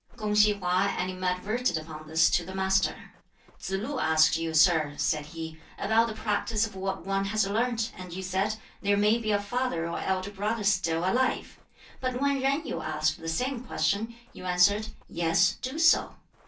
Kung si Hwa animadverted upon this to the Master. "Tsz lu asked you, sir," said he, "about the practice of what one has learnt, and you said, 'There may be a father or elder brother still alive'; but when Yen Yu asked the same question, you answered, 'Yes, do so.'